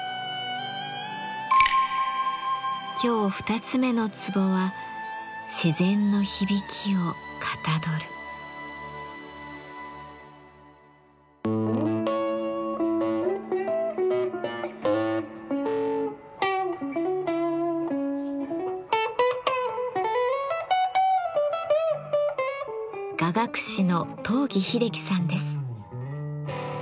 今日２つ目の壺は雅楽師の東儀秀樹さんです。